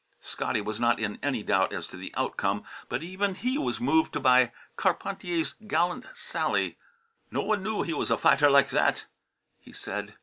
Scotty was not in any doubt as to the outcome, but even he was moved by Carpentier's gallant sally. "No one knew he was a fighter like that," he said.